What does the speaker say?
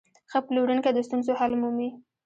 ښه پلورونکی د ستونزو حل مومي.